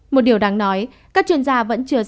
một điều đáng nói các chuyên gia vẫn chưa xác định